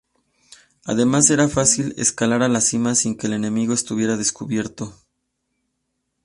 Además era fácil escalar a la cima sin que el enemigo estuviese descubierto.